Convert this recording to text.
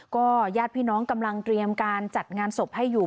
ก็ญาติพี่น้องกำลังเตรียมการจัดงานศพให้อยู่